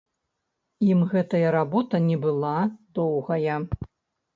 Ім гэтая работа не была доўгая.